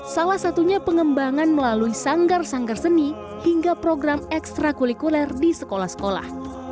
salah satunya pengembangan melalui sanggar sanggar seni hingga program ekstra kulikuler di sekolah sekolah